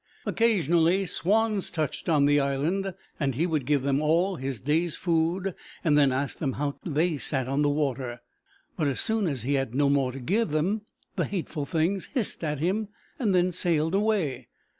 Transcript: Occasionally swans touched on the island, and he would give them all his day's food and then ask them how they sat on the water, but as soon as he had no more to give them the hateful things hissed at him and sailed away.